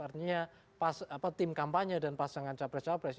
artinya tim kampanye dan pasangan capres capres